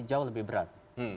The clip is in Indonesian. jauh lebih berat